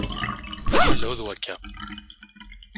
Ad d-nelhu d wakka.